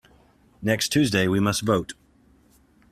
Next Tuesday we must vote.